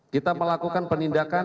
kita melakukan penindakan